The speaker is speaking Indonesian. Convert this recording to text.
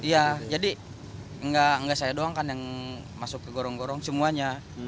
iya jadi nggak saya doang kan yang masuk ke gorong gorong semuanya